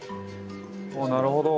なるほど。